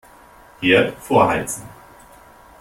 Herd vorheizen.